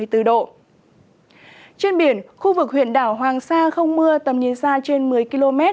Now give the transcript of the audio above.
trên biển khu vực huyện đảo hoàng sa không mưa tầm nhìn xa trên một mươi km